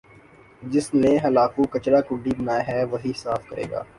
جس نے خلاکو کچرا کنڈی بنایا ہے وہی صاف کرے گا